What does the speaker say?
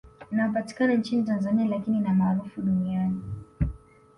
Inayopatikana nchini Tanzania lakini ni maarufu duniani